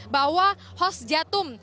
bahwa hos jatum